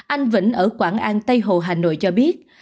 anh vĩnh ở quảng an tây hồ hà nội cho biết